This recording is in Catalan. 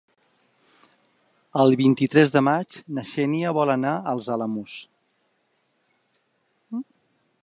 El vint-i-tres de maig na Xènia vol anar als Alamús.